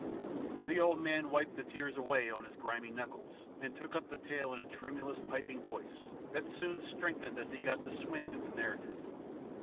III THE old man wiped the tears away on his grimy knuckles and took up the tale in a tremulous, piping voice that soon strengthened as he got the swing of the narrative.